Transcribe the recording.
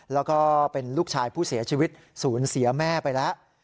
แล้วก็เป็นลูกชายผู้เสียชีวิตศูนย์เสียแม่ไปแล้ว